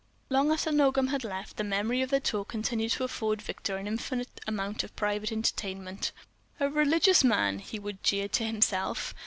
Long after Nogam had left the memory of their talk continued to afford Victor an infinite amount of private entertainment. "A religious man!" he would jeer to himself.